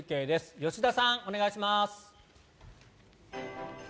吉田さん、お願いします。